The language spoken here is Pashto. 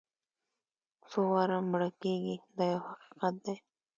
څو واره مړه کېږي دا یو حقیقت دی.